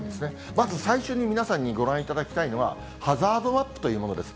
まず最初に皆さんにご覧いただきたいのは、ハザードマップというものです。